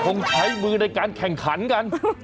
คงใช้มือในการแข่งขันกัน